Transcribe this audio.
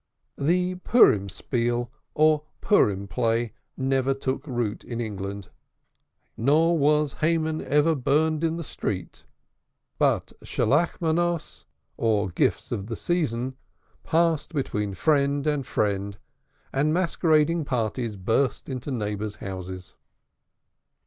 The Purim Spiel or Purim play never took root in England, nor was Haman ever burnt in the streets, but Shalachmonos, or gifts of the season, passed between friend and friend, and masquerading parties burst into neighbors' houses.